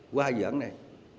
qua hai dự án này